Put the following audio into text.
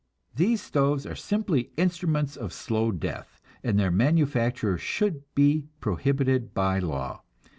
These stoves are simply instruments of slow death, and their manufacture should be prohibited by law.